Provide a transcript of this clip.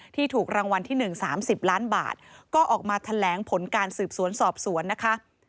ถูกรางวัลที่๑๓๐ล้านบาทก็ออกมาแถลงผลการสืบสวนสอบสวนนะคะ